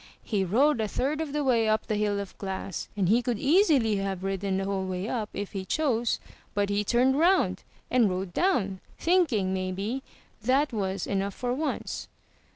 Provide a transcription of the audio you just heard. He rode a third of the way up the hill of glass, and he could easily have ridden the whole way up, if he chose; but he turned round and rode down, thinking, maybe, that was enough for once.'